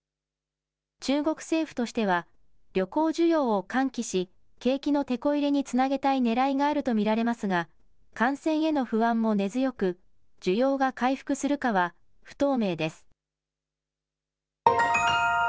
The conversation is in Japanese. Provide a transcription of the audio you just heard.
中国政府としては旅行需要を喚起し、景気のてこ入れにつなげたいねらいがあると見られますが、感染への不安も根強く、需要が回復するかは不透明です。